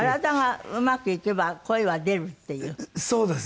体がうまくいけば声は出るっていう。